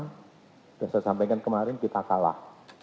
sudah saya sampaikan kemarin kita kalah